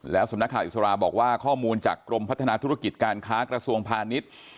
สำนักข่าวอิสราบอกว่าข้อมูลจากกรมพัฒนาธุรกิจการค้ากระทรวงพาณิชย์